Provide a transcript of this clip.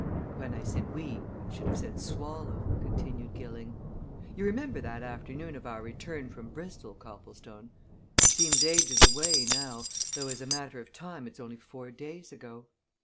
"When I said we I should have said Swallow," continued Gilling. "You remember that afternoon of our return from Bristol, Copplestone? It seems ages away now, though as a matter of time it's only four days ago!